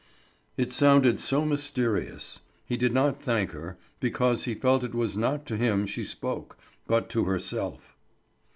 It sounded so mysterious. He did not thank her, because he felt it was not to him she spoke, but to herself.